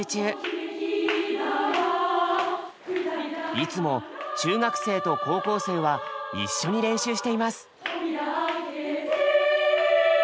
いつも中学生と高校生は一緒に練習しています。